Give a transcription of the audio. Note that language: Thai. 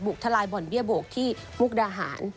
ทลายบ่อนเบี้ยโบกที่มุกดาหาร